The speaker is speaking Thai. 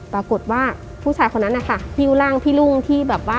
ปรากฏว่าผู้ชายคนนั้นยู่ร่างพี่รุ่งที่